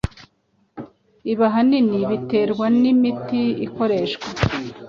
Ibi ahanini biterwa n’imiti ikoreshwa,